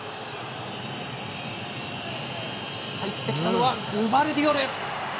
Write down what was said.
入ってきたのはグバルディオル。